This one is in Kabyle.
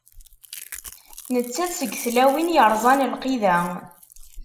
Nettat seg tlawin yerẓan lqid-a.